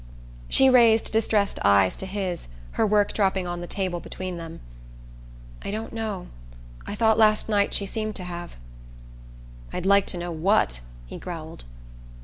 She raised distressed eyes to his, her work dropping on the table between them. "I don't know. I thought last night she seemed to have." "I'd like to know what," he growled.